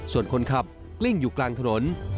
ส่วนคนขับกลิ้งอยู่กลางถนน